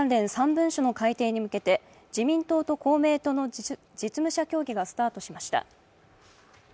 ３文書の改訂に向けて自民党と公明党の実務者協議がスタートしました。